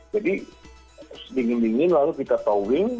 jadi dingin dingin lalu kita towing